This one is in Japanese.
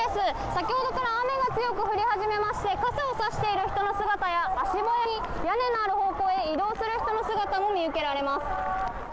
先ほどから雨が強く降り始めまして傘を差している人の姿や足早に屋根のある方向へ移動する人の姿も見受けられます。